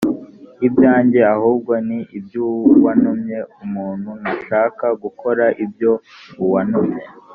ibyanjye ahubwo ni iby uwantumye umuntu nashaka gukora ibyo uwantumye